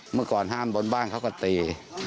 เมื่อก่อนห้ามบนบ้านเขาก็ตี